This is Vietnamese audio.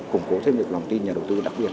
củng cố thêm được lòng tin nhà đầu tư đặc biệt